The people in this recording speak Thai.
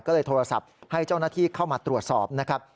ก็เลยโทรศัพท์ให้เจ้าหน้าที่เข้ามาตรวจสอบนะครับ